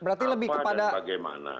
apa dan bagaimana